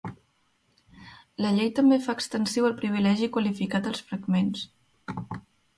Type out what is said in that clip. La Llei també fa extensiu el privilegi qualificat als fragments.